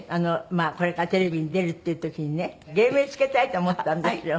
これからテレビに出るっていう時にね芸名付けたいって思ったんですよ。